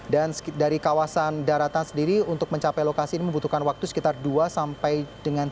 dan dari kawasan daratan sendiri untuk mencapai lokasi ini membutuhkan waktu sekitar dua sampai dengan tiga jam